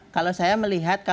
kalau saya melihatnya